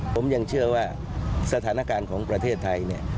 ผมยังเชื่อว่าสถานการณ์ของประเทศไทยเนี่ย